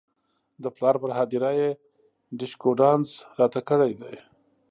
د پلار پر هدیره یې ډیشکو ډانس راته کړی دی.